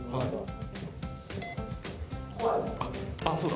あっそうだ。